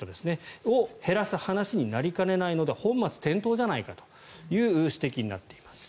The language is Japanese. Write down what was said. それを減らす話になりかねないので本末転倒じゃないかという指摘になっています。